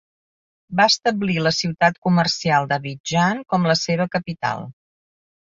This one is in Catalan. Va establir la ciutat comercial d'Abidjan com la seva capital.